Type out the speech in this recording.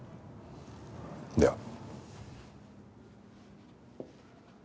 では。